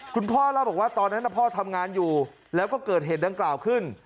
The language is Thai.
คุณพ่อเล่าบอกว่าตอนนั้นพ่อทำงานอยู่แล้วก็เกิดเหตุดังกล่าวขึ้น